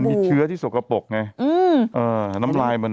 มันมีเชื้อที่สกปกไงน้ำลายมันอ่ะ